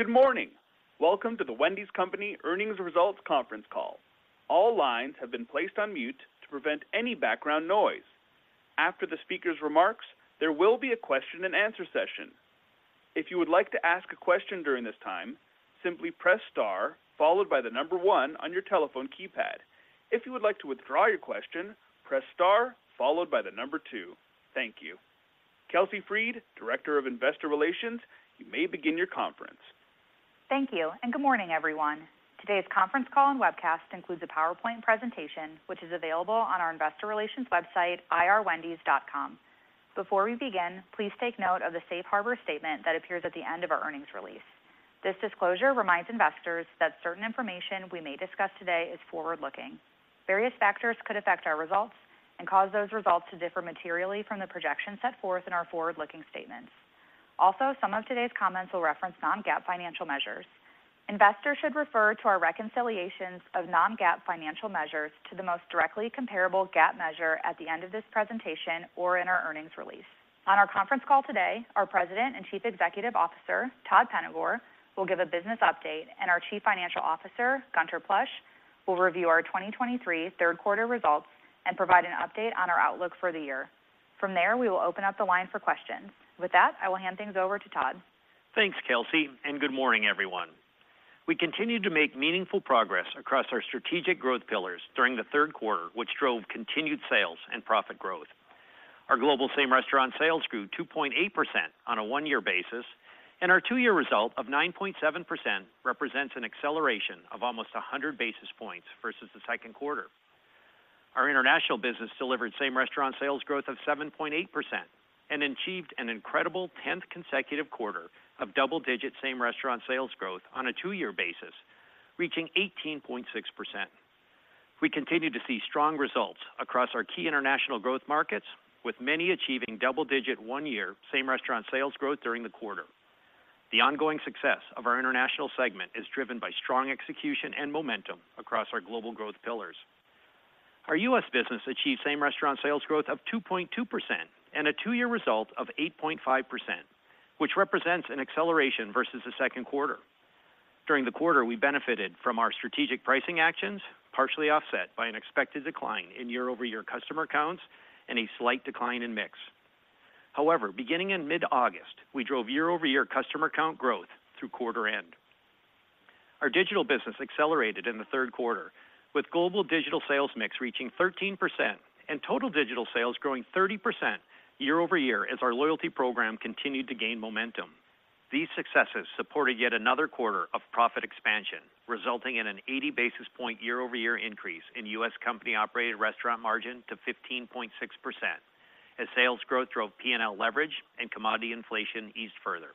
Good morning! Welcome to The Wendy's Company Earnings Results Conference Call. All lines have been placed on mute to prevent any background noise. After the speaker's remarks, there will be a question and answer session. If you would like to ask a question during this time, simply press star followed by the number one on your telephone keypad. If you would like to withdraw your question, press star followed by the number two. Thank you. Kelsey Freed, Director of Investor Relations, you may begin your conference. Thank you, and good morning, everyone. Today's conference call and webcast includes a PowerPoint presentation, which is available on our investor relations website, ir.wendys.com. Before we begin, please take note of the safe harbor statement that appears at the end of our earnings release. This disclosure reminds investors that certain information we may discuss today is forward-looking. Various factors could affect our results and cause those results to differ materially from the projections set forth in our forward-looking statements. Also, some of today's comments will reference non-GAAP financial measures. Investors should refer to our reconciliations of non-GAAP financial measures to the most directly comparable GAAP measure at the end of this presentation or in our earnings release. On our conference call today, our President and Chief Executive Officer, Todd Penegor, will give a business update, and our Chief Financial Officer, Gunther Plosch, will review our 2023 Q3 results and provide an update on our outlook for the year. From there, we will open up the line for questions. With that, I will hand things over to Todd. Thanks, Kelsey, and good morning, everyone. We continued to make meaningful progress across our strategic growth pillars during the Q3, which drove continued sales and profit growth. Our global same-restaurant sales grew 2.8% on a one-year basis, and our two-year result of 9.7% represents an acceleration of almost 100 basis points versus the second quarter. Our international business delivered same-restaurant sales growth of 7.8% and achieved an incredible 10th consecutive quarter of double-digit same-restaurant sales growth on a two-year basis, reaching 18.6%. We continue to see strong results across our key international growth markets, with many achieving double-digit one-year same-restaurant sales growth during the quarter. The ongoing success of our international segment is driven by strong execution and momentum across our global growth pillars. Our U.S. business achieved Same-Restaurant Sales growth of 2.2% and a two-year result of 8.5%, which represents an acceleration versus the second quarter. During the quarter, we benefited from our strategic pricing actions, partially offset by an expected decline in year-over-year customer counts and a slight decline in mix. However, beginning in mid-August, we drove year-over-year customer count growth through quarter end. Our digital business accelerated in the Q3, with global digital sales mix reaching 13% and total digital sales growing 30% year over year as our loyalty program continued to gain momentum. These successes supported yet another quarter of profit expansion, resulting in an 80 basis points year-over-year increase in U.S. company-operated restaurant margin to 15.6% as sales growth drove P&L leverage and commodity inflation eased further.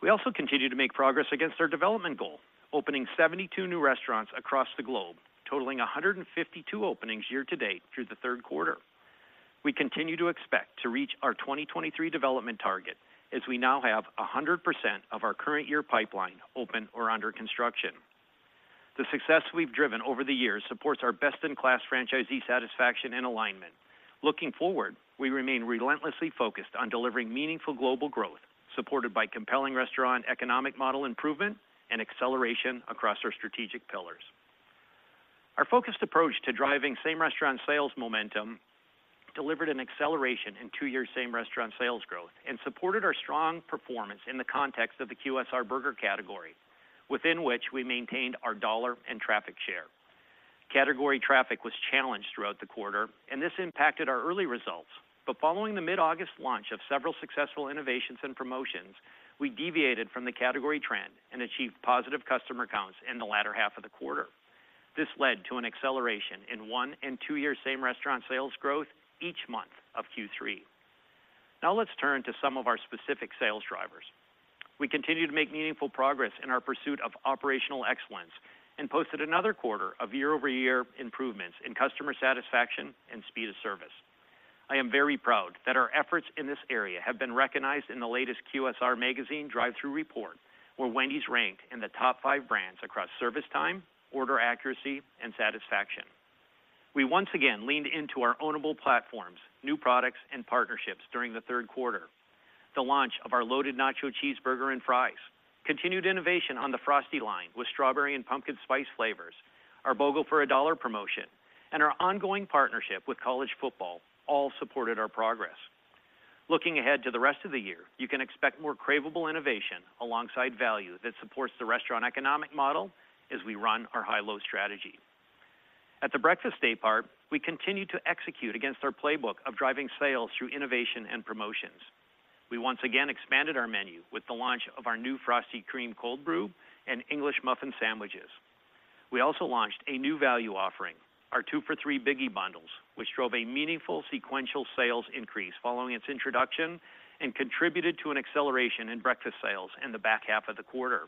We also continued to make progress against our development goal, opening 72 new restaurants across the globe, totaling 152 openings year to date through the Q3. We continue to expect to reach our 2023 development target as we now have 100% of our current year pipeline open or under construction. The success we've driven over the years supports our best-in-class franchisee satisfaction and alignment. Looking forward, we remain relentlessly focused on delivering meaningful global growth, supported by compelling restaurant economic model improvement and acceleration across our strategic pillars. Our focused approach to driving same-restaurant sales momentum delivered an acceleration in two-year same-restaurant sales growth and supported our strong performance in the context of the QSR burger category, within which we maintained our dollar and traffic share. Category traffic was challenged throughout the quarter, and this impacted our early results. But following the mid-August launch of several successful innovations and promotions, we deviated from the category trend and achieved positive customer counts in the latter half of the quarter. This led to an acceleration in one and two-year same-restaurant sales growth each month of Q3. Now let's turn to some of our specific sales drivers. We continue to make meaningful progress in our pursuit of operational excellence and posted another quarter of year-over-year improvements in customer satisfaction and speed of service. I am very proud that our efforts in this area have been recognized in the latest QSR Magazine Drive-Thru Report, where Wendy's ranked in the top five brands across service time, order accuracy, and satisfaction. We once again leaned into our ownable platforms, new products, and partnerships during the Q3. The launch of our Loaded Nacho Cheeseburger and Queso Fries, continued innovation on the Frosty line with strawberry and pumpkin spice flavors, our BOGO for a Dollar promotion, and our ongoing partnership with college football all supported our progress. Looking ahead to the rest of the year, you can expect more craveable innovation alongside value that supports the restaurant economic model as we run our high-low strategy. At the breakfast daypart, we continue to execute against our playbook of driving sales through innovation and promotions. We once again expanded our menu with the launch of our new Frosty Cream Cold Brew and English Muffin Sandwiches. We also launched a new value offering, our two for $3 Biggie Bundles, which drove a meaningful sequential sales increase following its introduction and contributed to an acceleration in breakfast sales in the back half of the quarter.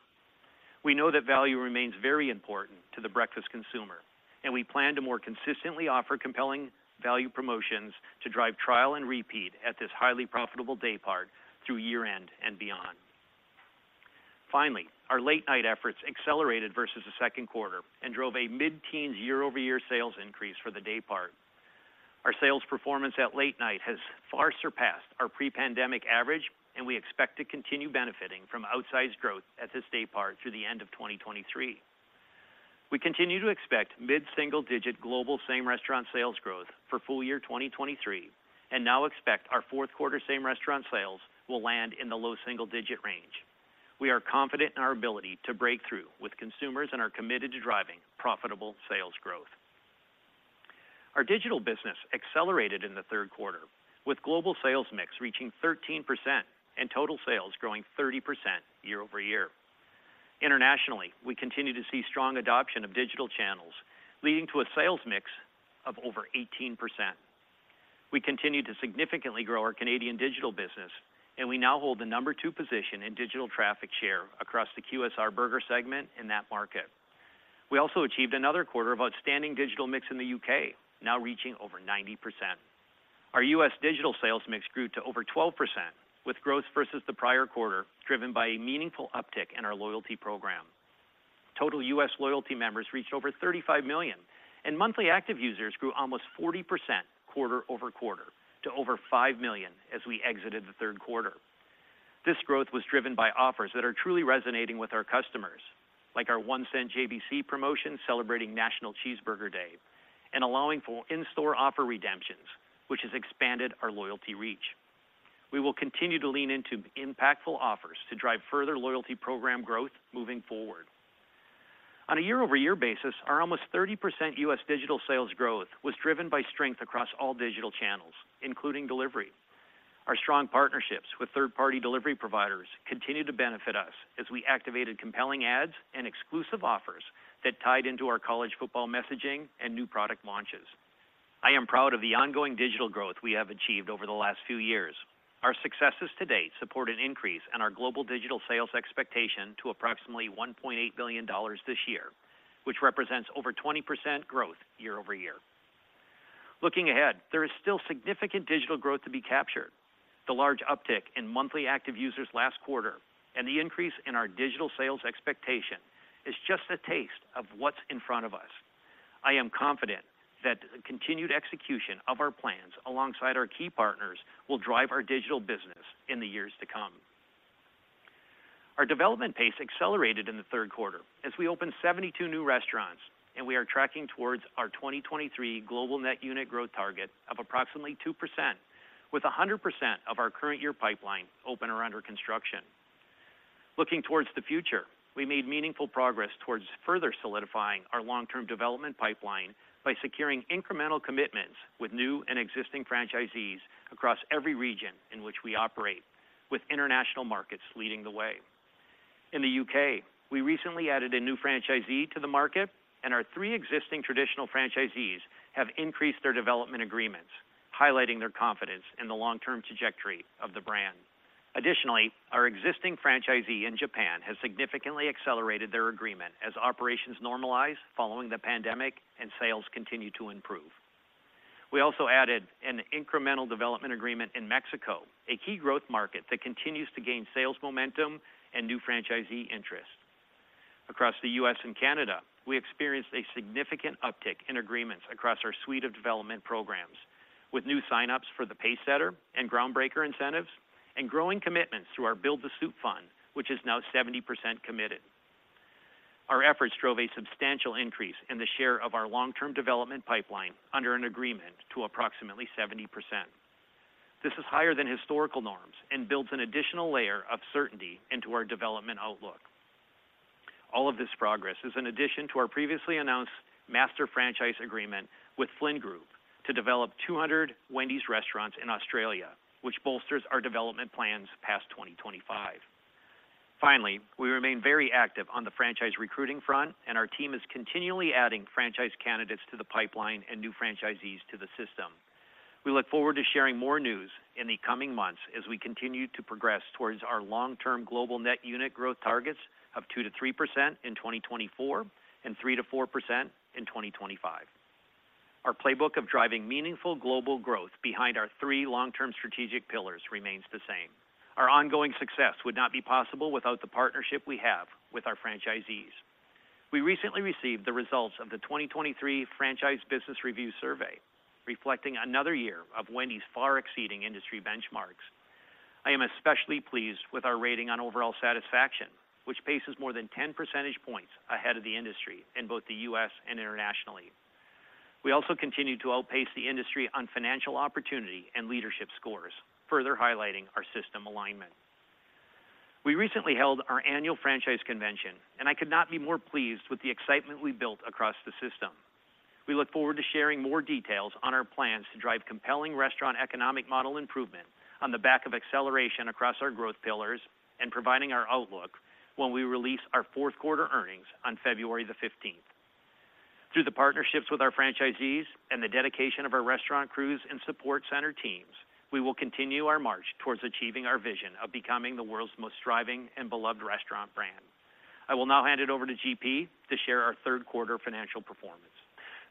We know that value remains very important to the breakfast consumer, and we plan to more consistently offer compelling value promotions to drive trial and repeat at this highly profitable day part through year-end and beyond. Finally, our late-night efforts accelerated versus the second quarter and drove a mid-teen year-over-year sales increase for the day part. Our sales performance at late night has far surpassed our pre-pandemic average, and we expect to continue benefiting from outsized growth at this day part through the end of 2023. We continue to expect mid-single-digit global same-restaurant sales growth for full year 2023, and now expect our Q4 same-restaurant sales will land in the low single-digit range. We are confident in our ability to break through with consumers and are committed to driving profitable sales growth. Our digital business accelerated in the Q3, with global sales mix reaching 13% and total sales growing 30% year-over-year. Internationally, we continue to see strong adoption of digital channels, leading to a sales mix of over 18%. We continue to significantly grow our Canadian digital business, and we now hold the number two position in digital traffic share across the QSR burger segment in that market. We also achieved another quarter of outstanding digital mix in the U.K., now reaching over 90%. Our U.S. digital sales mix grew to over 12%, with growth versus the prior quarter, driven by a meaningful uptick in our loyalty program. Total U.S. loyalty members reached over 35 million, and monthly active users grew almost 40% quarter-over-quarter to over five million as we exited the Q3. This growth was driven by offers that are truly resonating with our customers, like our $0.01 JBC promotion celebrating National Cheeseburger Day and allowing for in-store offer redemptions, which has expanded our loyalty reach. We will continue to lean into impactful offers to drive further loyalty program growth moving forward. On a year-over-year basis, our almost 30% U.S. digital sales growth was driven by strength across all digital channels, including delivery. Our strong partnerships with third-party delivery providers continue to benefit us as we activated compelling ads and exclusive offers that tied into our college football messaging and new product launches. I am proud of the ongoing digital growth we have achieved over the last few years. Our successes to date support an increase in our global digital sales expectation to approximately $1.8 billion this year, which represents over 20% growth year-over-year. Looking ahead, there is still significant digital growth to be captured. The large uptick in monthly active users last quarter and the increase in our digital sales expectation is just a taste of what's in front of us. I am confident that continued execution of our plans alongside our key partners will drive our digital business in the years to come. Our development pace accelerated in the Q3 as we opened 72 new restaurants, and we are tracking towards our 2023 global net unit growth target of approximately 2%, with 100% of our current year pipeline open or under construction. Looking towards the future, we made meaningful progress towards further solidifying our long-term development pipeline by securing incremental commitments with new and existing franchisees across every region in which we operate, with international markets leading the way. In the U.K., we recently added a new franchisee to the market, and our three existing traditional franchisees have increased their development agreements, highlighting their confidence in the long-term trajectory of the brand. Additionally, our existing franchisee in Japan has significantly accelerated their agreement as operations normalize following the pandemic and sales continue to improve. We also added an incremental development agreement in Mexico, a key growth market that continues to gain sales momentum and new franchisee interest. Across the U.S. and Canada, we experienced a significant uptick in agreements across our suite of development programs, with new sign-ups for the Pacesetter and Groundbreaker incentives and growing commitments through our Build to Suit Fund, which is now 70% committed. Our efforts drove a substantial increase in the share of our long-term development pipeline under an agreement to approximately 70%. This is higher than historical norms and builds an additional layer of certainty into our development outlook. All of this progress is in addition to our previously announced master franchise agreement with Flynn Group to develop 200 Wendy's restaurants in Australia, which bolsters our development plans past 2025. Finally, we remain very active on the franchise recruiting front, and our team is continually adding franchise candidates to the pipeline and new franchisees to the system. We look forward to sharing more news in the coming months as we continue to progress towards our long-term global net unit growth targets of 2%-3% in 2024 and 3%-4% in 2025. Our playbook of driving meaningful global growth behind our three long-term strategic pillars remains the same. Our ongoing success would not be possible without the partnership we have with our franchisees. We recently received the results of the 2023 Franchise Business Review Survey, reflecting another year of Wendy's far exceeding industry benchmarks. I am especially pleased with our rating on overall satisfaction, which paces more than 10 percentage points ahead of the industry in both the U.S. and internationally. We also continue to outpace the industry on financial opportunity and leadership scores, further highlighting our system alignment. We recently held our annual franchise convention, and I could not be more pleased with the excitement we built across the system. We look forward to sharing more details on our plans to drive compelling restaurant economic model improvement on the back of acceleration across our growth pillars and providing our outlook when we release our Q4 earnings on 15 February. Through the partnerships with our franchisees and the dedication of our restaurant crews and support center teams, we will continue our march towards achieving our vision of becoming the world's most thriving and beloved restaurant brand. I will now hand it over to GP to share our Q3 financial performance.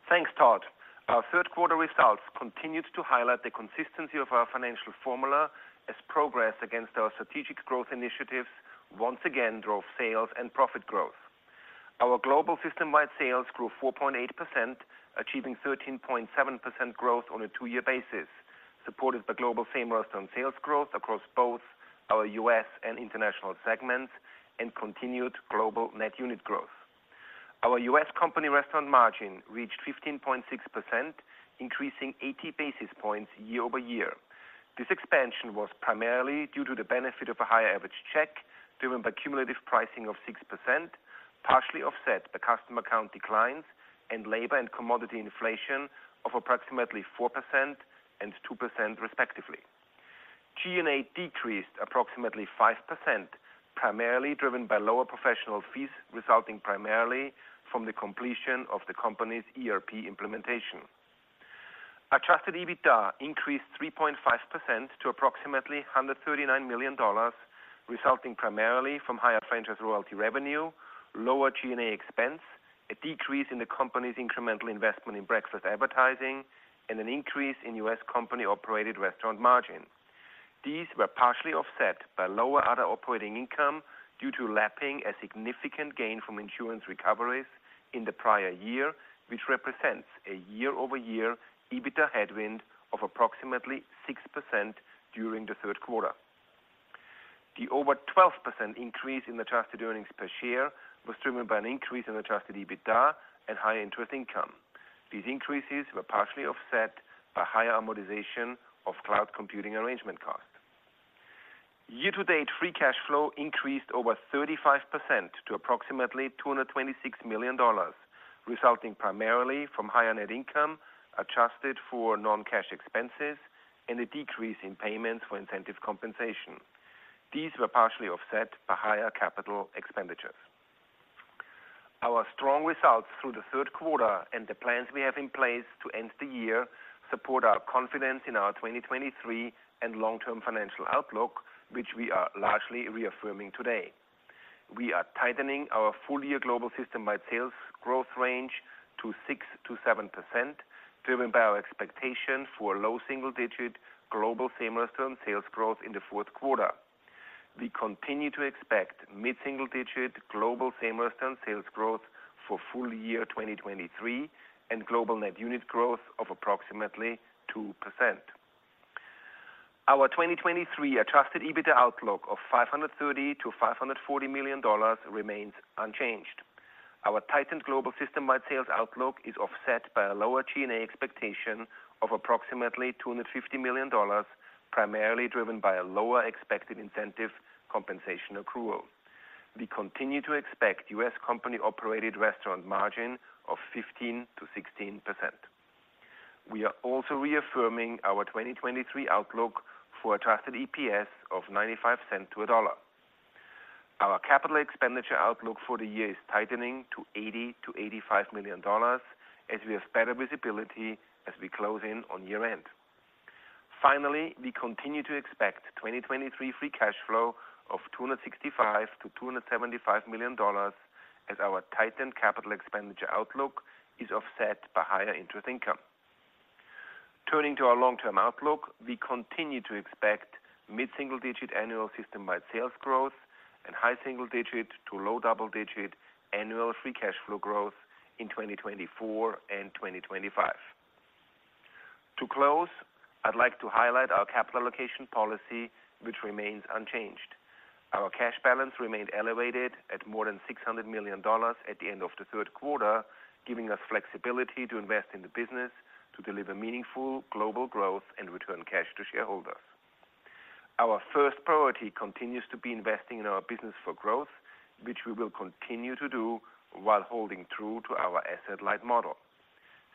Thanks, Todd. Our Q3 results continued to highlight the consistency of our financial formula as progress against our strategic growth initiatives once again drove sales and profit growth. Our global system-wide sales grew 4.8%, achieving 13.7% growth on a two-year basis, supported by global same-restaurant sales growth across both our U.S. and international segments and continued global net unit growth. Our U.S. company restaurant margin reached 15.6%, increasing 80 basis points year-over-year. This expansion was primarily due to the benefit of a higher average check, driven by cumulative pricing of 6%, partially offset by customer count declines and labor and commodity inflation of approximately 4% and 2% respectively. G&A decreased approximately 5%, primarily driven by lower professional fees, resulting primarily from the completion of the company's ERP implementation. Adjusted EBITDA increased 3.5% to approximately $139 million, resulting primarily from higher franchise royalty revenue, lower G&A expense, a decrease in the company's incremental investment in breakfast advertising, and an increase in U.S. company-operated restaurant margin. These were partially offset by lower other operating income due to lapping a significant gain from insurance recoveries in the prior year, which represents a year-over-year EBITDA headwind of approximately 6% during the Q3. The over 12% increase in adjusted earnings per share was driven by an increase in Adjusted EBITDA and high interest income. These increases were partially offset by higher amortization of cloud computing arrangement costs. Year-to-date free cash flow increased over 35% to approximately $226 million, resulting primarily from higher net income adjusted for non-cash expenses and a decrease in payments for incentive compensation. These were partially offset by higher capital expenditures. Our strong results through the Q3 and the plans we have in place to end the year support our confidence in our 2023 and long-term financial outlook, which we are largely reaffirming today. We are tightening our full-year global system-wide sales growth range to 6%-7%, driven by our expectation for low single-digit global same-restaurant sales growth in the Q4. We continue to expect mid-single-digit global same-restaurant sales growth for full year 2023 and global net unit growth of approximately 2%. Our 2023 Adjusted EBITDA outlook of $530-540 million remains unchanged. Our tightened global system-wide sales outlook is offset by a lower G&A expectation of approximately $250 million, primarily driven by a lower expected incentive compensation accrual. We continue to expect U.S. company-operated restaurant margin of 15%-16%. We are also reaffirming our 2023 outlook for adjusted EPS of $0.95-1.00. Our capital expenditure outlook for the year is tightening to $80-85 million as we have better visibility as we close in on year-end. Finally, we continue to expect 2023 free cash flow of $265-275 million as our tightened capital expenditure outlook is offset by higher interest income. Turning to our long-term outlook, we continue to expect mid-single-digit annual system-wide sales growth and high single digit to low double-digit annual free cash flow growth in 2024 and 2025. To close, I'd like to highlight our capital allocation policy, which remains unchanged. Our cash balance remained elevated at more than $600 million at the end of the Q3, giving us flexibility to invest in the business to deliver meaningful global growth and return cash to shareholders. Our first priority continues to be investing in our business for growth, which we will continue to do while holding true to our asset-light model.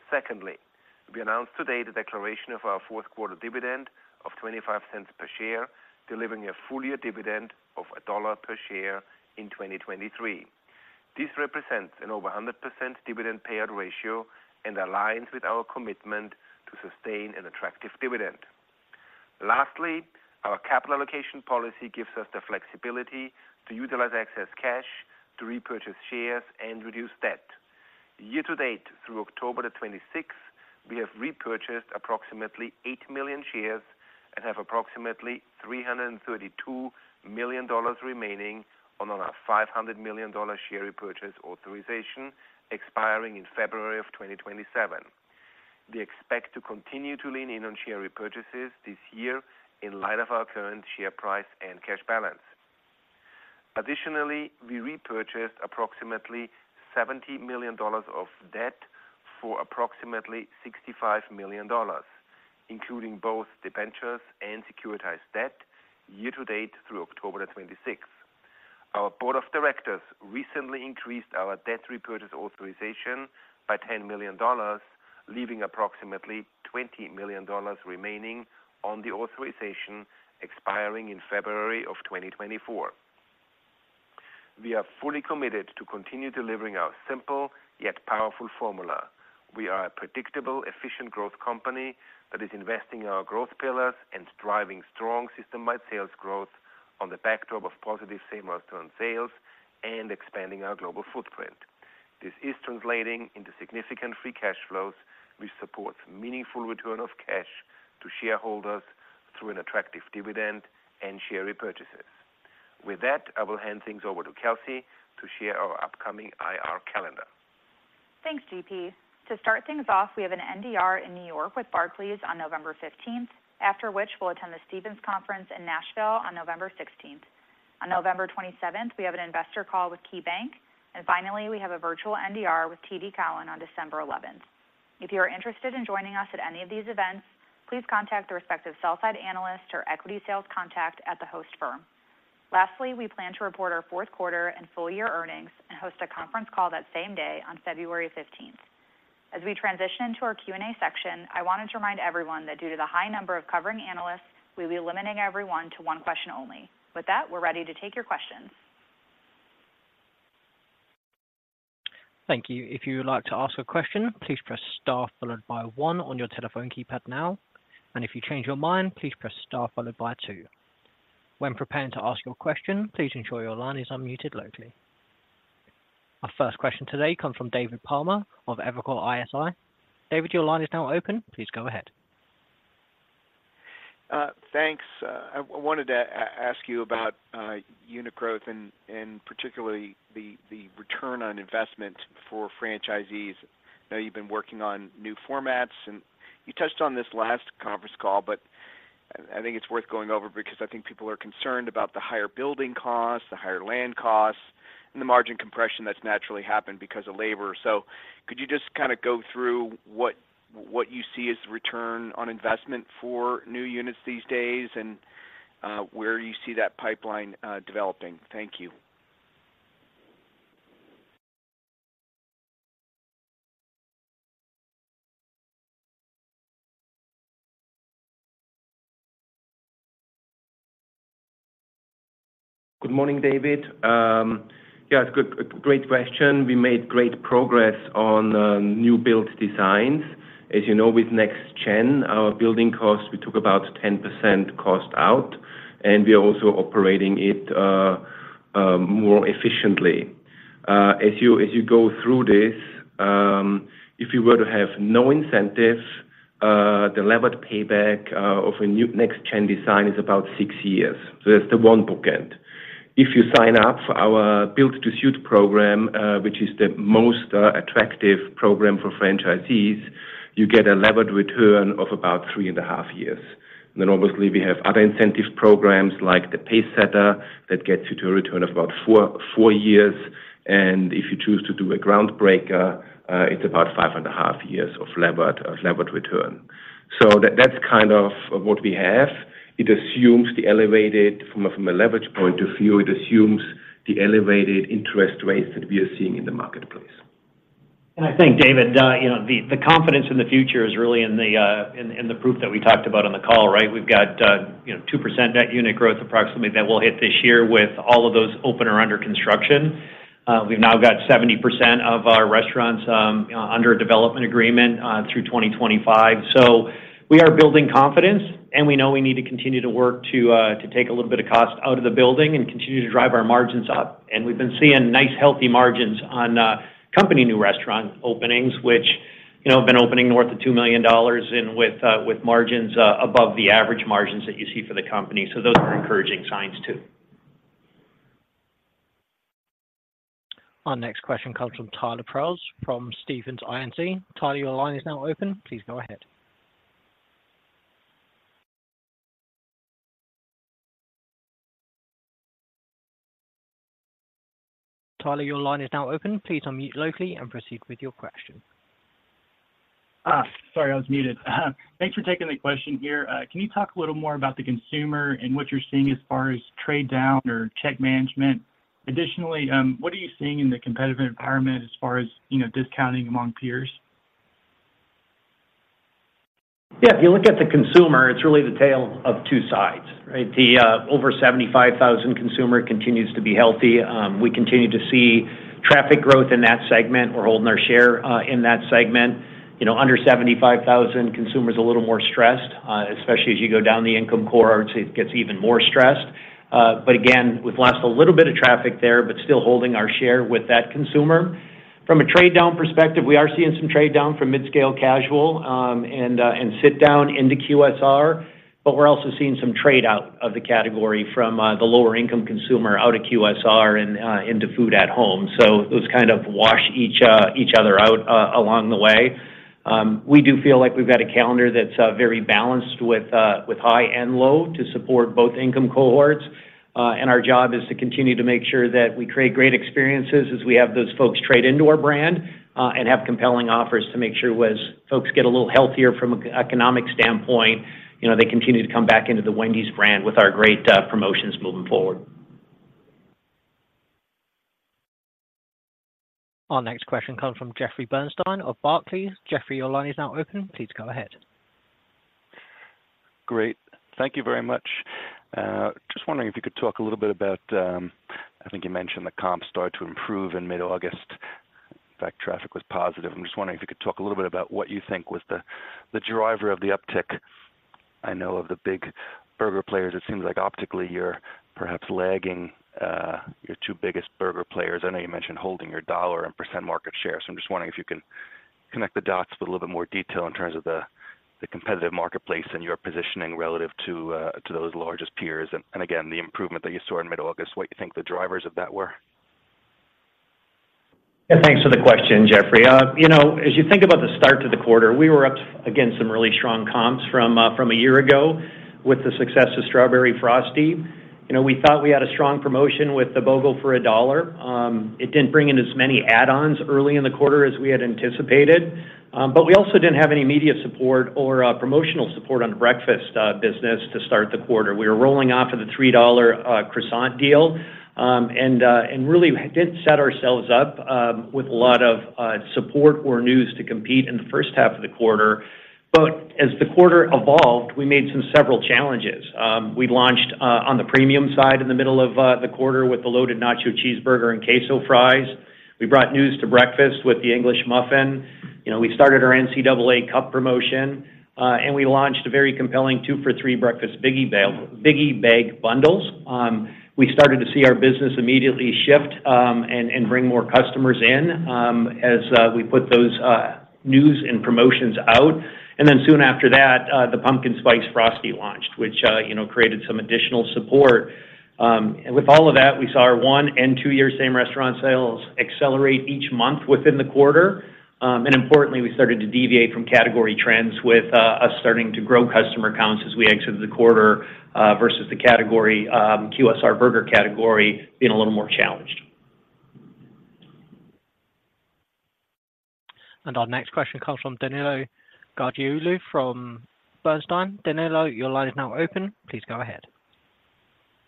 Secondly, we announced today the declaration of our Q4 dividend of $0.25 per share, delivering a full year dividend of $1 per share in 2023. This represents an over 100% dividend payout ratio and aligns with our commitment to sustain an attractive dividend. Lastly, our capital allocation policy gives us the flexibility to utilize excess cash to repurchase shares and reduce debt. Year to date, through October 26, we have repurchased approximately eight million shares and have approximately $332 million remaining on our $500 million share repurchase authorization, expiring in February 2027. We expect to continue to lean in on share repurchases this year in light of our current share price and cash balance. Additionally, we repurchased approximately $70 million of debt for approximately $65 million, including both debentures and securitized debt, year to date through October 26. Our board of directors recently increased our debt repurchase authorization by $10 million, leaving approximately $20 million remaining on the authorization expiring in February 2024. We are fully committed to continue delivering our simple, yet powerful formula. We are a predictable, efficient growth company that is investing in our growth pillars and driving strong system-wide sales growth on the backdrop of positive same-restaurant sales and expanding our global footprint. This is translating into significant free cash flows, which supports meaningful return of cash to shareholders through an attractive dividend and share repurchases. With that, I will hand things over to Kelsey to share our upcoming IR calendar. Thanks, GP. To start things off, we have an NDR in New York with Barclays on November 15, after which we'll attend the Stephens Conference in Nashville on November 16. On November 27, we have an investor call with KeyBanc, and finally, we have a virtual NDR with TD Cowen on December 11. If you are interested in joining us at any of these events, please contact the respective sell-side analyst or equity sales contact at the host firm. Lastly, we plan to report our Q4 and full year earnings and host a conference call that same day on February 13. As we transition into our Q&A section, I wanted to remind everyone that due to the high number of covering analysts, we'll be limiting everyone to one question only. With that, we're ready to take your questions. Thank you. If you would like to ask a question, please press star followed by one on your telephone keypad now, and if you change your mind, please press star followed by two. When preparing to ask your question, please ensure your line is unmuted locally. Our first question today comes from David Palmer of Evercore ISI. David, your line is now open. Please go ahead. Thanks. I wanted to ask you about unit growth and particularly the return on investment for franchisees. I know you've been working on new formats, and you touched on this last conference call, but I think it's worth going over because I think people are concerned about the higher building costs, the higher land costs, and the margin compression that's naturally happened because of labor. So could you just kind of go through what you see as the return on investment for new units these days and where you see that pipeline developing? Thank you. Good morning, David. Yeah, it's a great question. We made great progress on new build designs. As you know, with NextGen, our building costs, we took about 10% cost out, and we are also operating it more efficiently. As you go through this, if you were to have no incentive, the levered payback of a new NextGen design is about six years. So that's the one bookend. If you sign up for our Build to Suit program, which is the most attractive program for franchisees, you get a levered return of about 3.5 years. Then obviously, we have other incentive programs like the Pacesetter, that gets you to a return of about four years, and if you choose to do a Groundbreaker, it's about 5.5 years of levered return. So that's kind of what we have. It assumes the elevated... From a leverage point of view, it assumes the elevated interest rates that we are seeing in the marketplace. I think, David, you know, the confidence in the future is really in the proof that we talked about on the call, right? We've got, you know, 2% net unit growth approximately that we'll hit this year with all of those open or under construction. We've now got 70% of our restaurants, you know, under a development agreement, through 2025. So we are building confidence, and we know we need to continue to work to take a little bit of cost out of the building and continue to drive our margins up. We've been seeing nice, healthy margins on company new restaurant openings, which, you know, have been opening north of $2 million and with margins above the average margins that you see for the company. Those are encouraging signs, too. Our next question comes from Tyler Prause from Stephens Inc. Tyler, your line is now open. Please go ahead. Tyler, your line is now open. Please unmute locally and proceed with your question. Sorry, I was muted. Thanks for taking the question here. Can you talk a little more about the consumer and what you're seeing as far as trade down or check management? Additionally, what are you seeing in the competitive environment as far as, you know, discounting among peers? Yeah, if you look at the consumer, it's really the tale of two sides, right? The over $75,000 consumer continues to be healthy. We continue to see traffic growth in that segment. We're holding our share in that segment. You know, under $75,000 consumer is a little more stressed, especially as you go down the income core. Obviously, it gets even more stressed. But again, we've lost a little bit of traffic there, but still holding our share with that consumer. From a trade down perspective, we are seeing some trade down from mid-scale casual and sit down into QSR, but we're also seeing some trade out of the category from the lower income consumer out of QSR and into food at home. So those kind of wash each other out along the way. We do feel like we've got a calendar that's very balanced with high and low to support both income cohorts. And our job is to continue to make sure that we create great experiences as we have those folks trade into our brand and have compelling offers to make sure as folks get a little healthier from an economic standpoint, you know, they continue to come back into the Wendy's brand with our great promotions moving forward. Our next question comes from Jeffrey Bernstein of Barclays. Jeffrey, your line is now open. Please go ahead. Great. Thank you very much. Just wondering if you could talk a little bit about... I think you mentioned the comps started to improve in mid-August. In fact, traffic was positive. I'm just wondering if you could talk a little bit about what you think was the driver of the uptick. I know of the big burger players, it seems like optically, you're perhaps lagging, your two biggest burger players. I know you mentioned holding your dollar and percent market share, so I'm just wondering if you can connect the dots with a little bit more detail in terms of the, the competitive marketplace and your positioning relative to, to those largest peers. And, and again, the improvement that you saw in mid-August, what you think the drivers of that were? Yeah, thanks for the question, Jeffrey. You know, as you think about the start to the quarter, we were up against some really strong comps from a year ago with the success of Strawberry Frosty. You know, we thought we had a strong promotion with the BOGO for a dollar. It didn't bring in as many add-ons early in the quarter as we had anticipated, but we also didn't have any media support or promotional support on the breakfast business to start the quarter. We were rolling out for the $3 croissant deal, and really didn't set ourselves up with a lot of support or news to compete in the first half of the quarter. As the quarter evolved, we made some several challenges. We launched on the premium side in the middle of the quarter with the Loaded Nacho Cheeseburger and Queso Fries. We brought new to breakfast with the English Muffin. You know, we started our NCAA Cup promotion, and we launched a very compelling two for $3 breakfast Biggie Bag bundles. We started to see our business immediately shift, and bring more customers in, as we put those new and promotions out. Then soon after that, the Pumpkin Spice Frosty launched, which, you know, created some additional support. With all of that, we saw our one- and two-year same-restaurant sales accelerate each month within the quarter. Importantly, we started to deviate from category trends with us starting to grow customer counts as we exited the quarter versus the category QSR burger category being a little more challenged. Our next question comes from Danilo Gargiulo from Bernstein. Danilo, your line is now open. Please go ahead.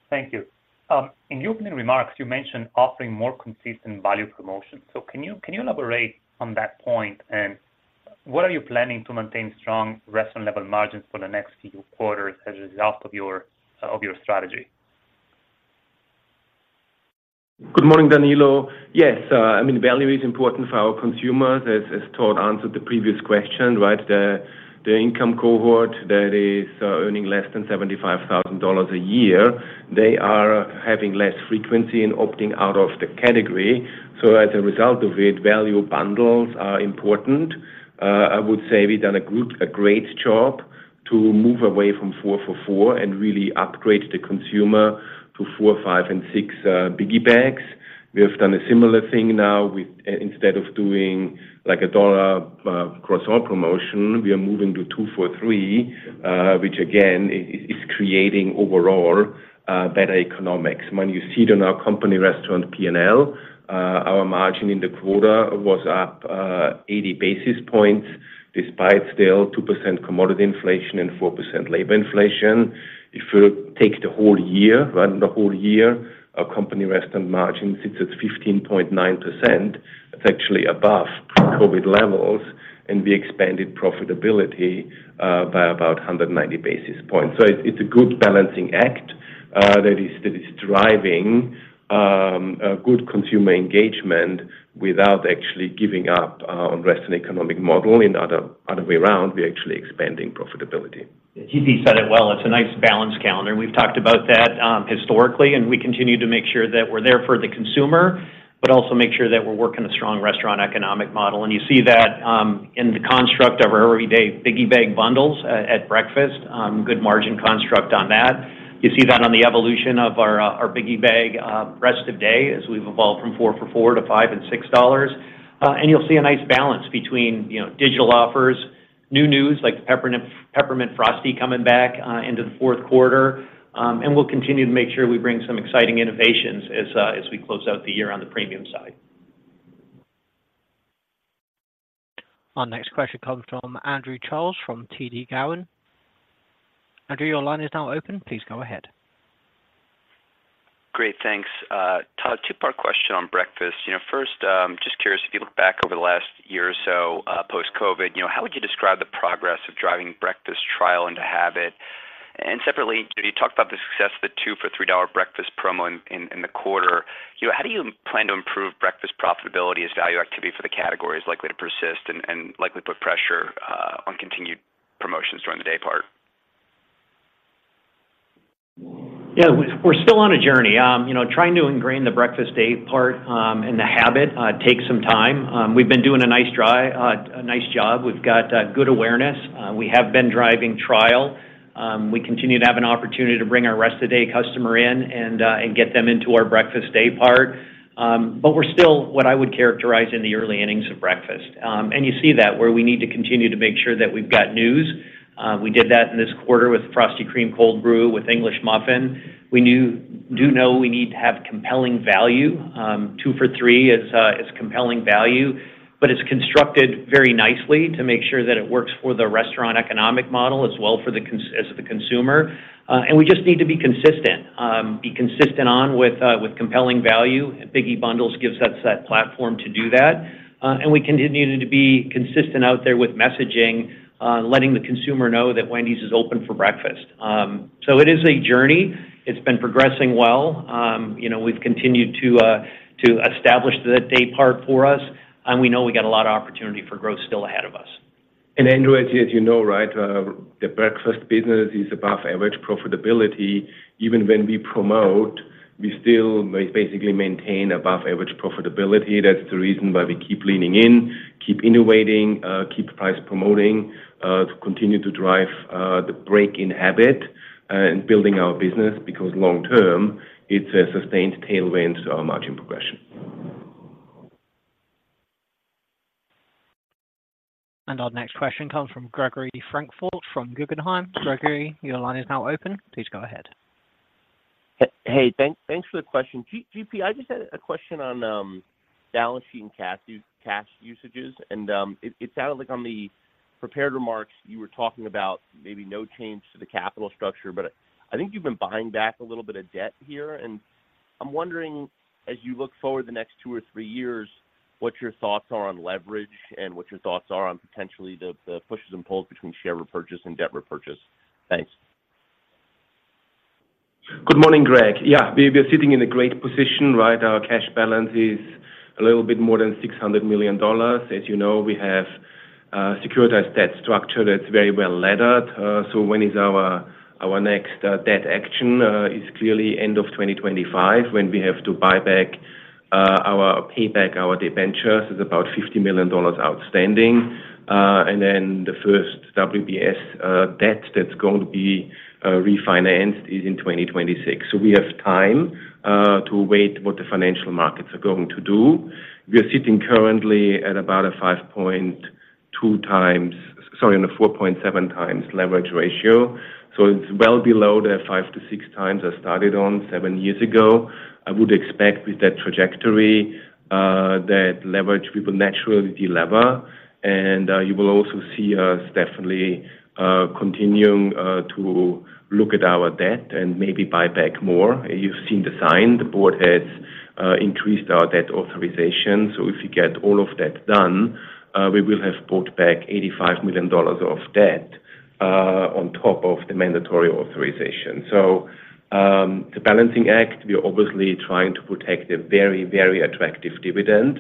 Thank you. In your opening remarks, you mentioned offering more consistent value promotions. So can you elaborate on that point, and what are you planning to maintain strong restaurant level margins for the next few quarters as a result of your strategy? Good morning, Danilo. Yes, I mean, value is important for our consumers. As Todd answered the previous question, right? The income cohort that is earning less than $75,000 a year, they are having less frequency and opting out of the category. So as a result of it, value bundles are important. I would say we've done a great job to move away from 4 for $4 and really upgrade the consumer to 4, 5 and 6 Biggie Bags. We have done a similar thing now with instead of doing like a $1 croissant promotion, we are moving to 2 for $3, which again is creating overall better economics. When you see it in our company restaurant P&L, our margin in the quarter was up 80 basis points, despite still 2% commodity inflation and 4% labor inflation. If you take the whole year, run the whole year, our company restaurant margin sits at 15.9%. It's actually above COVID levels, and we expanded profitability by about 190 basis points. So it's, it's a good balancing act, that is, that is driving a good consumer engagement without actually giving up on restaurant economic model. In other, other way around, we're actually expanding profitability. Yeah, GP said it well. It's a nice balanced calendar. We've talked about that, historically, and we continue to make sure that we're there for the consumer, but also make sure that we're working a strong restaurant economic model. And you see that, in the construct of our everyday Biggie Bag bundles at breakfast, good margin construct on that. You see that on the evolution of our, our Biggie Bag, rest of day, as we've evolved from 4 for $4 to $5 and $6. And you'll see a nice balance between, you know, digital offers, new news, like the Peppermint, Peppermint Frosty coming back, into the Q4. And we'll continue to make sure we bring some exciting innovations as, as we close out the year on the premium side. Our next question comes from Andrew Charles, from TD Cowen. Andrew, your line is now open. Please go ahead. Great. Thanks. Todd, two-part question on breakfast. You know, first, just curious, if you look back over the last year or so, post-COVID, you know, how would you describe the progress of driving breakfast trial into habit? And separately, you talked about the success of the 2 for $3 breakfast promo in, in the quarter. You know, how do you plan to improve breakfast profitability as value activity for the category is likely to persist and, and likely put pressure, on continued promotions during the day part? Yeah, we're still on a journey. You know, trying to ingrain the breakfast daypart and the habit takes some time. We've been doing a nice drive, a nice job. We've got good awareness. We have been driving trial. We continue to have an opportunity to bring our rest-of-the-day customer in and get them into our breakfast daypart. But we're still what I would characterize in the early innings of breakfast. And you see that where we need to continue to make sure that we've got news. We did that in this quarter with Frosty Cream Cold Brew, with English Muffin. We do know we need to have compelling value. 2 for $3 is compelling value, but it's constructed very nicely to make sure that it works for the restaurant economic model as well, for the consumer. And we just need to be consistent. Be consistent on with, with compelling value. Biggie Bundles gives us that platform to do that. And we continue to be consistent out there with messaging, letting the consumer know that Wendy's is open for breakfast. So it is a journey. It's been progressing well. You know, we've continued to establish the day part for us, and we know we got a lot of opportunity for growth still ahead of us.... And Andrew, as you know, right, the breakfast business is above average profitability. Even when we promote, we still basically maintain above average profitability. That's the reason why we keep leaning in, keep innovating, keep price promoting, to continue to drive, the breakfast habit, in building our business, because long term, it's a sustained tailwind to our margin progression. Our next question comes from Gregory Francfort from Guggenheim. Gregory, your line is now open. Please go ahead. Hey, thanks, thanks for the question. GP, I just had a question on balance sheet and cash usages. It sounded like on the prepared remarks, you were talking about maybe no change to the capital structure. But I think you've been buying back a little bit of debt here, and I'm wondering, as you look forward the next two or three years, what your thoughts are on leverage and what your thoughts are on potentially the pushes and pulls between share repurchase and debt repurchase? Thanks. Good morning, Greg. Yeah, we, we're sitting in a great position, right? Our cash balance is a little bit more than $600 million. As you know, we have securitized that structure that's very well laddered. So when is our, our next debt action is clearly end of 2025, when we have to buy back pay back our debentures. It's about $50 million outstanding. And then the first WBS debt that's going to be refinanced is in 2026. So we have time to wait what the financial markets are going to do. We are sitting currently at about a 5.2x... Sorry, on a 4.7x leverage ratio, so it's well below the 5-6x I started on seven years ago. I would expect with that trajectory, that leverage, we will naturally delever. And you will also see us definitely continuing to look at our debt and maybe buy back more. You've seen the sign, the board has increased our debt authorization. So if you get all of that done, we will have bought back $85 million of debt on top of the mandatory authorization. So the balancing act, we are obviously trying to protect a very, very attractive dividend,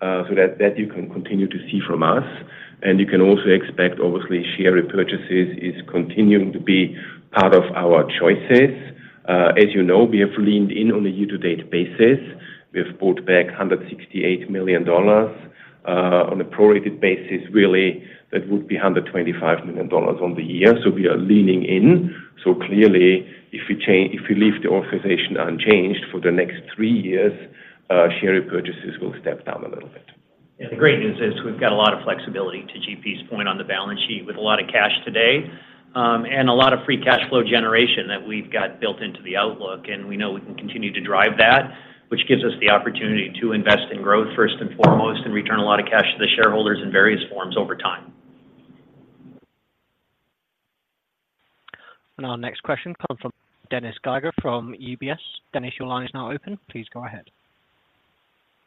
so that you can continue to see from us. And you can also expect, obviously, share repurchases is continuing to be part of our choices. As you know, we have leaned in on a year-to-date basis. We have bought back $168 million. On a prorated basis, really, that would be $125 million on the year. So we are leaning in. So clearly, if we leave the authorization unchanged for the next three years, share repurchases will step down a little bit. Yeah, the great news is we've got a lot of flexibility, to GP's point, on the balance sheet with a lot of cash today, and a lot of free cash flow generation that we've got built into the outlook, and we know we can continue to drive that. Which gives us the opportunity to invest in growth, first and foremost, and return a lot of cash to the shareholders in various forms over time. Our next question comes from Dennis Geiger from UBS. Dennis, your line is now open. Please go ahead.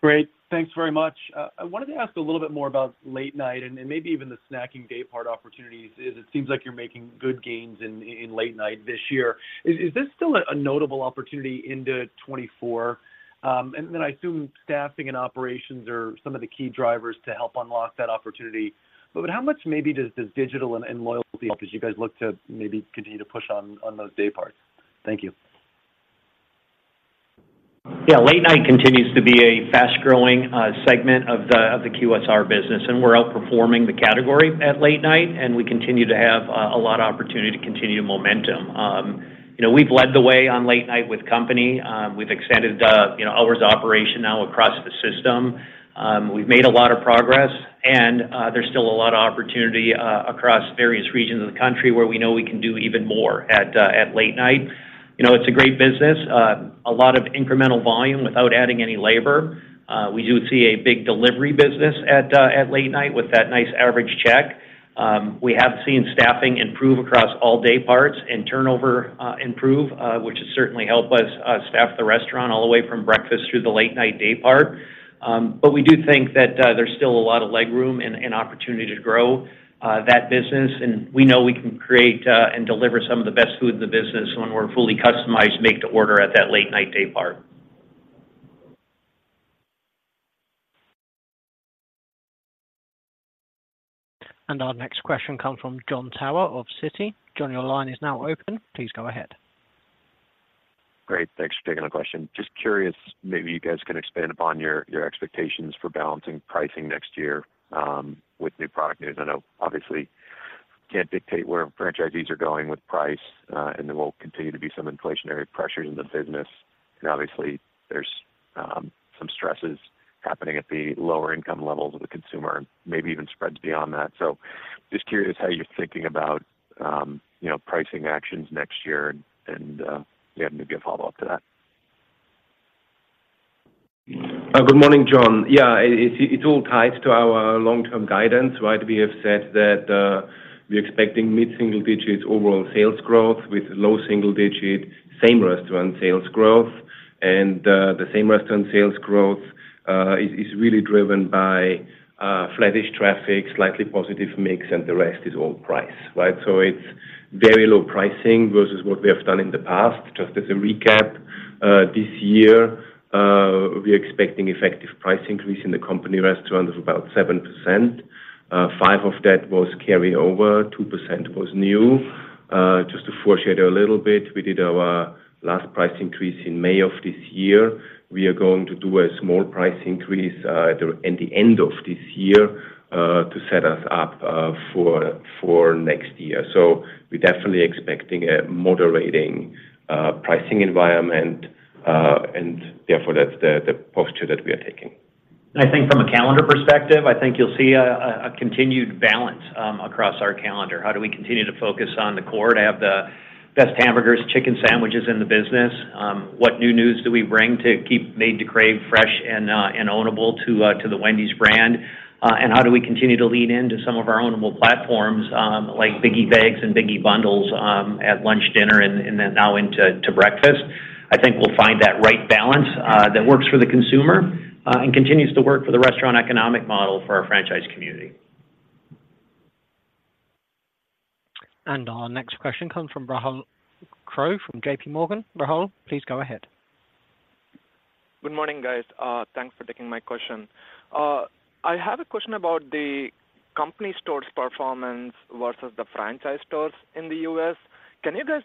Great. Thanks very much. I wanted to ask a little bit more about late night and maybe even the snacking day part opportunities. It seems like you're making good gains in late night this year. Is this still a notable opportunity into 2024? And then I assume staffing and operations are some of the key drivers to help unlock that opportunity. But how much maybe does digital and loyalty help as you guys look to maybe continue to push on those day parts? Thank you. Yeah, late night continues to be a fast-growing segment of the QSR business, and we're outperforming the category at late night, and we continue to have a lot of opportunity to continue momentum. You know, we've led the way on late night with company. We've extended the hours operation now across the system. We've made a lot of progress, and there's still a lot of opportunity across various regions of the country where we know we can do even more at late night. You know, it's a great business. A lot of incremental volume without adding any labor. We do see a big delivery business at late night with that nice average check. We have seen staffing improve across all day parts and turnover improve, which has certainly helped us staff the restaurant all the way from breakfast through the late night day part. But we do think that there's still a lot of leg room and opportunity to grow that business. And we know we can create and deliver some of the best food in the business when we're fully customized make to order at that late night day part. Our next question comes from Jon Tower of Citi. John, your line is now open. Please go ahead. Great. Thanks for taking the question. Just curious, maybe you guys can expand upon your expectations for balancing pricing next year with new product news. I know, obviously, can't dictate where franchisees are going with price, and there will continue to be some inflationary pressures in the business. And obviously, there's some stresses happening at the lower income levels of the consumer, maybe even spreads beyond that. So just curious how you're thinking about, you know, pricing actions next year. And, yeah, maybe a follow-up to that. Good morning, Jon. Yeah, it's all tied to our long-term guidance, right? We have said that, we're expecting mid-single-digit overall sales growth with low single-digit same-restaurant sales growth. The same restaurant sales growth is really driven by flattish traffic, slightly positive mix, and the rest is all price, right? So it's very low pricing versus what we have done in the past. Just as a recap. This year, we're expecting effective price increase in the company restaurant of about 7%. Five of that was carryover, 2% was new. Just to foreshadow a little bit, we did our last price increase in May of this year. We are going to do a small price increase in the end of this year to set us up for next year. So we're definitely expecting a moderating pricing environment, and therefore, that's the posture that we are taking. I think from a calendar perspective, I think you'll see a continued balance across our calendar. How do we continue to focus on the core to have the best hamburgers, chicken sandwiches in the business? What new news do we bring to keep Made to Crave fresh and ownable to the Wendy's brand? And how do we continue to lean into some of our ownable platforms, like Biggie Bags and Biggie Bundles, at lunch, dinner, and then now into breakfast? I think we'll find that right balance that works for the consumer and continues to work for the restaurant economic model for our franchise community. Our next question comes from Rahul Krotthapalli from JPMorgan. Rahul, please go ahead. Good morning, guys. Thanks for taking my question. I have a question about the company stores performance versus the franchise stores in the U.S. Can you guys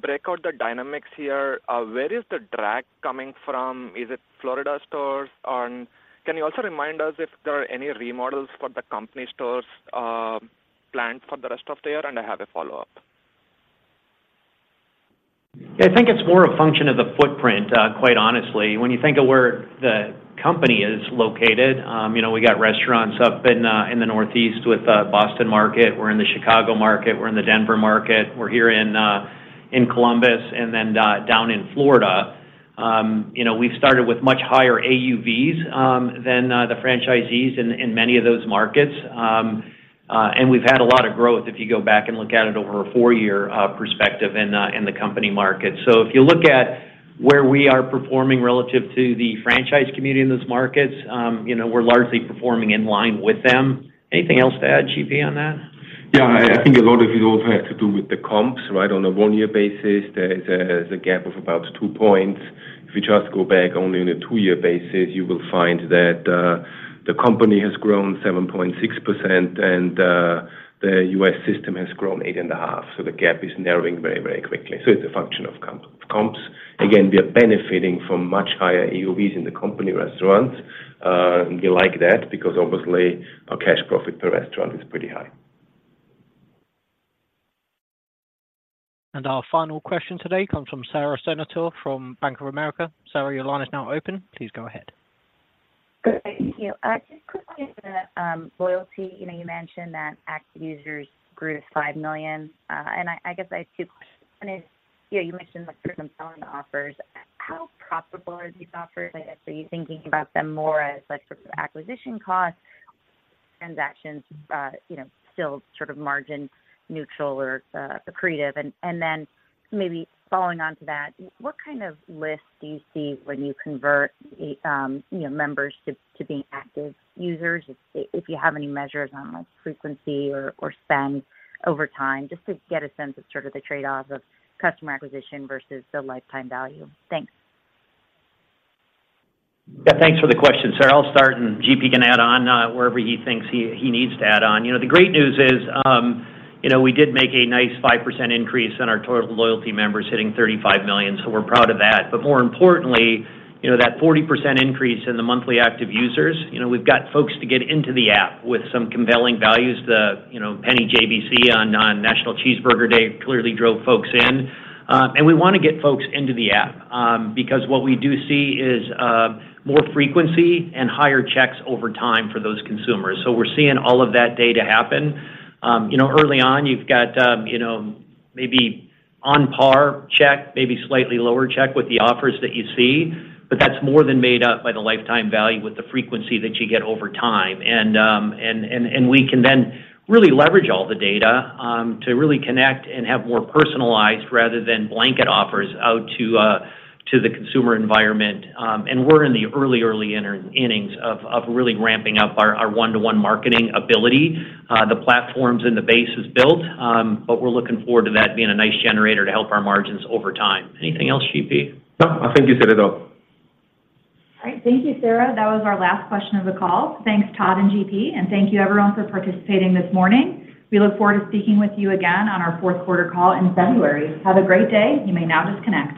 break out the dynamics here? Where is the drag coming from? Is it Florida stores? And can you also remind us if there are any remodels for the company stores, planned for the rest of the year? And I have a follow-up. I think it's more a function of the footprint, quite honestly. When you think of where the company is located, you know, we got restaurants up in the Northeast with Boston market, we're in the Chicago market, we're in the Denver market, we're here in Columbus, and then down in Florida. You know, we've started with much higher AUVs than the franchisees in many of those markets. And we've had a lot of growth, if you go back and look at it over a four-year perspective in the company market. So if you look at where we are performing relative to the franchise community in those markets, you know, we're largely performing in line with them. Anything else to add, GP, on that? Yeah, I think a lot of it also has to do with the comps, right? On a one-year basis, there is a gap of about two points. If you just go back only on a two-year basis, you will find that the company has grown 7.6%, and the U.S. system has grown 8.5%, so the gap is narrowing very, very quickly. So it's a function of comps. Again, we are benefiting from much higher AUVs in the company restaurants. We like that because obviously, our cash profit per restaurant is pretty high. Our final question today comes from Sara Senatore from Bank of America. Sarah, your line is now open. Please go ahead. Good. Thank you. Just quickly on the loyalty. You know, you mentioned that active users grew to 5 million. And I guess I have two questions. One is, you know, you mentioned, like, some compelling offers. How profitable are these offers? I guess, are you thinking about them more as, like, sort of acquisition costs, transactions, you know, still sort of margin neutral or, accretive? And then maybe following on to that, what kind of lists do you see when you convert, you know, members to being active users, if you have any measures on, like, frequency or spend over time, just to get a sense of sort of the trade-offs of customer acquisition versus the lifetime value. Thanks. Yeah, thanks for the question, Sarah. I'll start, and GP can add on wherever he thinks he needs to add on. You know, the great news is, you know, we did make a nice 5% increase in our total loyalty members, hitting 35 million, so we're proud of that. But more importantly, you know, that 40% increase in the monthly active users, you know, we've got folks to get into the app with some compelling values. The, you know, Penny JBC on National Cheeseburger Day clearly drove folks in. And we want to get folks into the app, because what we do see is more frequency and higher checks over time for those consumers. So we're seeing all of that data happen. You know, early on, you've got, you know, maybe on par check, maybe slightly lower check with the offers that you see, but that's more than made up by the lifetime value with the frequency that you get over time. And we can then really leverage all the data to really connect and have more personalized rather than blanket offers out to the consumer environment. And we're in the early, early innings of really ramping up our one-to-one marketing ability. The platforms and the base is built, but we're looking forward to that being a nice generator to help our margins over time. Anything else, GP? No, I think you said it all. All right. Thank you, Sarah. That was our last question of the call. Thanks, Todd and GP, and thank you everyone for participating this morning. We look forward to speaking with you again on our Q4 call in February. Have a great day. You may now disconnect.